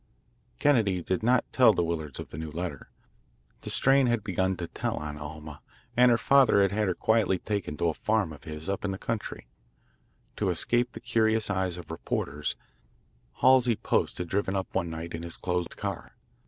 Kennedy did not tell the Willards of the new letter. The strain had begun to tell on Alma, and her father had had her quietly taken to a farm of his up in the country. To escape the curious eyes of reporters, Halsey Post had driven up one night in his closed car.